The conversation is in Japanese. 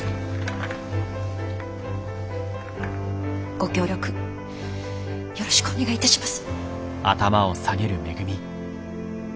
ご協力よろしくお願いいたします。